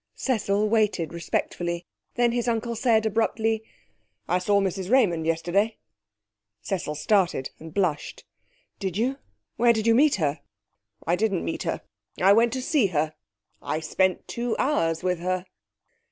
Cecil waited respectfully. Then his uncle said abruptly 'I saw Mrs Raymond yesterday.' Cecil started and blushed. 'Did you? Where did you meet her?' 'I didn't meet her. I went to see her. I spent two hours with her.'